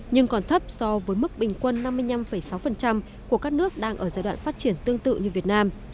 nhưng còn thấp so với mức bình quân năm mươi năm sáu của các nước đang ở giai đoạn phát triển tương tự như việt nam